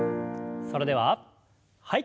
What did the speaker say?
それでははい。